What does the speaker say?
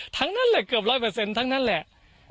ทั้งนั้นแหละเกือบร้อยเปอร์เซ็นต์ทั้งนั้นแหละ